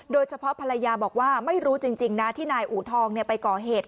โดยเฉพาะภรรยาบอกว่าไม่รู้จริงนะที่นายอูทองไปก่อเหตุ